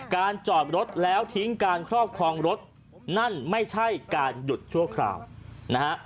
จอดรถแล้วทิ้งการครอบครองรถนั่นไม่ใช่การหยุดชั่วคราวนะฮะ